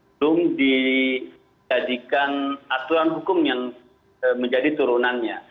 belum dijadikan aturan hukum yang menjadi turunannya